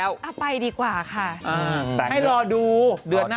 เออพี่ไปงานหนูเลยนะ